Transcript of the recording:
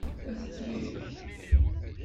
Ad t-yeg.